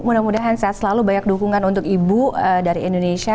mudah mudahan sehat selalu banyak dukungan untuk ibu dari indonesia